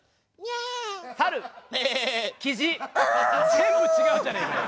全部違うじゃねえかよ。